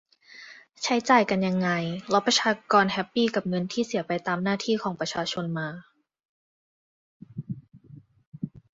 ใช้จ่ายกันยังไง แล้วประชากรแฮปปี้กับเงินที่เสียไปตามหน้าที่ของประชาชนมา